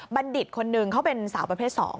บัณฑิตคนนึงเขาเป็นสาวประเภท๒